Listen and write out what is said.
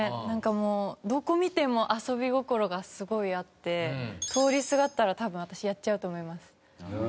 なんかもうどこ見ても遊び心がすごいあって通りすがったら多分私やっちゃうと思います。